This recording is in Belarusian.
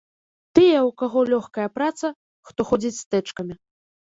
Тыя, у каго лёгкая праца, хто ходзіць з тэчкамі.